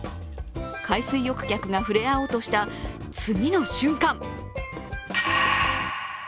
海水浴客が触れ合おうとした次の瞬間